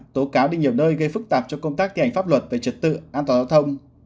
tố cáo đi nhiều nơi gây phức tạp cho công tác thi hành pháp luật về trật tự an toàn giao thông